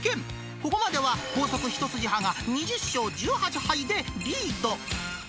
ここまでは高速一筋派が２０勝１８敗でリード。